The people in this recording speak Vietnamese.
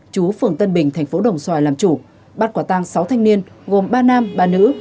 chú phường tân bình tp đồng xoài làm chủ bắt quả tăng sáu thanh niên gồm ba nam ba nữ